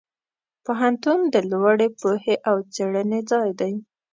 پوهنتون د لوړې پوهې او څېړنې ځای دی.